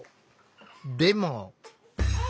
でも。